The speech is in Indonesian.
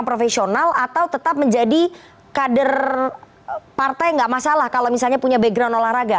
profesional atau tetap menjadi kader partai nggak masalah kalau misalnya punya background olahraga